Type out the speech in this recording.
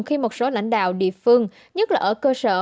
khi một số lãnh đạo địa phương nhất là ở cơ sở